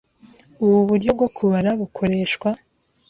Ubu buryo bwo kubara bukoreshwa